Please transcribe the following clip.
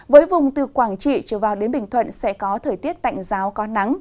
với vùng từ quảng trị trở vào đến bình thuận sẽ có thời tiết tạnh giáo có nắng